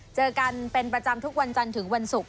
เจอกันเป็นประจำทุกวันจันทร์ถึงวันศุกร์